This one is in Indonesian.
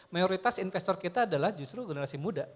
mayoritas investor kita adalah justru generasi muda